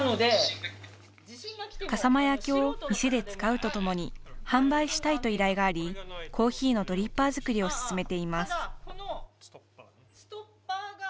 笠間焼を店で使うとともに販売したいと依頼があり、コーヒーのドリッパー作りを進めています。